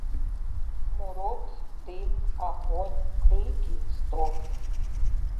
Смурод, дым, агонь, крыкі, стогны.